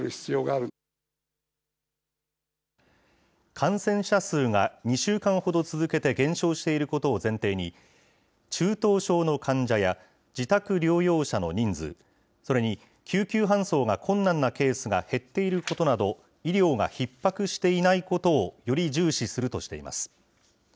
感染者数が２週間ほど続けて減少していることを前提に、中等症の患者や自宅療養者の人数、それに救急搬送が困難なケースが減っていることなど、医療がひっ迫していないことをより重視するとしています。